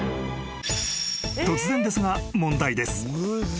［突然ですが問題です］